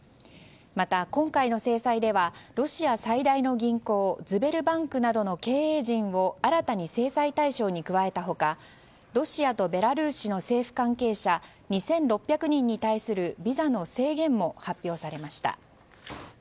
また、今回の制裁ではロシア最大の銀行ズベルバンクなどの経営陣を新たに制裁対象に加えた他ロシアとベラルーシの政府関係者２６００人に対するビザの制限も発表されました。